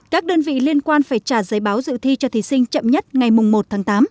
các đơn vị liên quan phải trả giấy báo dự thi cho thí sinh chậm nhất ngày một tháng tám